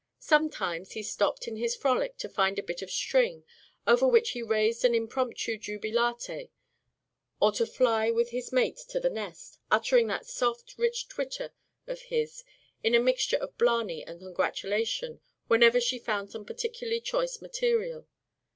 Sometimes he stopped in his frolic to find a bit of string, over which he raised an impromptu jubilate, or to fly with his mate to the nest, uttering that soft rich twitter of his in a mixture of blarney and congratulation whenever she found some particularly choice material.